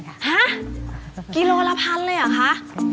ฮะกิโลละพันเลยเหรอคะ